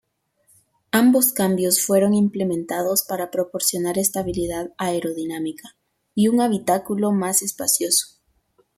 Ambos cambios fueron implementados para proporcionar estabilidad aerodinámica y un habitáculo más espacioso.